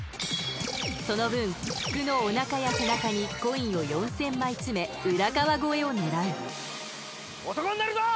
その分服のおなかや背中にコインを４０００枚詰め浦川超えを狙うおう！